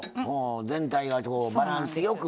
全体がバランスよく。